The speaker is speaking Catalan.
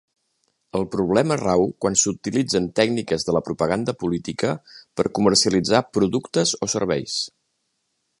El problema rau quan s'utilitzen tècniques de la propaganda política per comercialitzar productes o serveis.